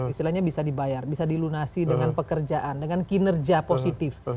istilahnya bisa dibayar bisa dilunasi dengan pekerjaan dengan kinerja positif